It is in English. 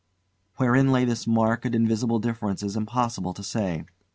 Wherein lay this marked, invisible difference is impossible to say.